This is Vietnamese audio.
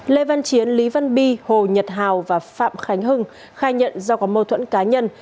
lê văn chiến lý văn bi hồ nhật hào và phạm khánh hưng khai nhận do có mâu thuẫn cá nhân